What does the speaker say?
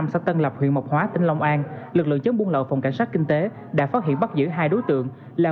xã tân lập huyện mộc hóa tỉnh long an lực lượng chống buôn lậu phòng cảnh sát kinh tế đã phát hiện bắt giữ hai đối tượng là